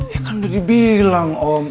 ya kan udah dibilang om